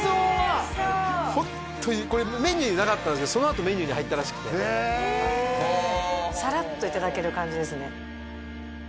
おいしそうホントにこれメニューになかったんですけどそのあとメニューに入ったらしくてへえサラッといただける感じですね